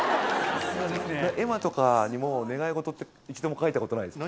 絵馬とかにも、願い事って一度も書いたことないです。